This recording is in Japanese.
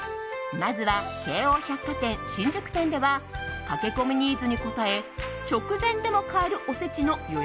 まずは京王百貨店新宿店では駆け込みニーズに応え直前でも買えるおせちの予約